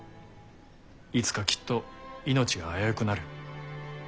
いつかきっと命が危うくなる。